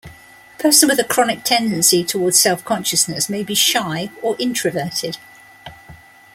A person with a chronic tendency toward self-consciousness may be shy or introverted.